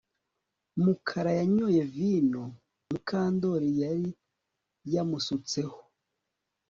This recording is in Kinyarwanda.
Mukara yanyoye vino Mukandoli yari yamusutseho